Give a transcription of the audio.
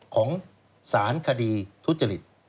ของสารคดีทุษฎฤษ